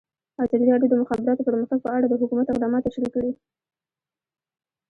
ازادي راډیو د د مخابراتو پرمختګ په اړه د حکومت اقدامات تشریح کړي.